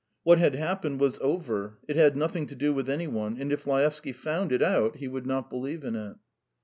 What had happened was over; it had nothing to do with any one, and if Laevsky found it out he would not believe in it.